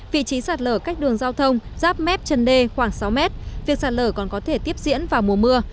vị trí sạt lở cách đường giao thông giáp mép chân đê khoảng sáu mét việc sạt lở còn có thể tiếp diễn vào mùa mưa